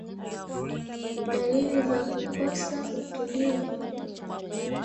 Dalili za kukosa utulivu